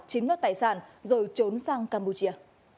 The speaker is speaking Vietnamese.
chiếm nốt tài sản rồi trốn sang campuchia